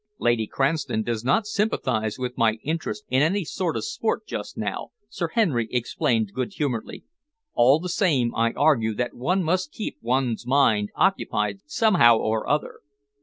"Lady Cranston does not sympathize with my interest in any sort of sport just now," Sir Henry explained good humouredly. "All the same I argue that one must keep one's mind occupied somehow or other."